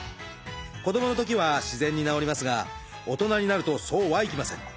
子どものときは自然に治りますが大人になるとそうはいきません。